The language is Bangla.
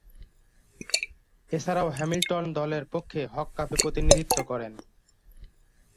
এছাড়াও, হ্যামিল্টন দলের পক্ষে হক কাপে প্রতিনিধিত্ব করেন।